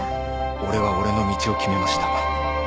俺は俺の道を決めました。